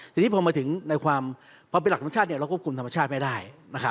ทีนี้พอมาถึงในความพอเป็นหลักของชาติเราควบคุมธรรมชาติไม่ได้